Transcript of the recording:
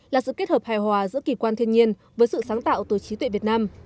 là sự kết hợp hài hòa giữa kỳ quan thiên nhiên với sự sáng tạo từ trí tuệ việt nam